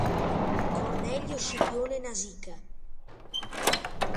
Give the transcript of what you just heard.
Cornelio Scipione Nasica